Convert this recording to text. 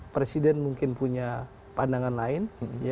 presiden mungkin punya pandangan lain